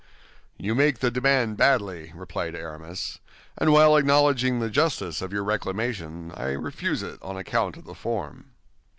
"You make the demand badly," replied Aramis; "and while acknowledging the justice of your reclamation, I refuse it on account of the form."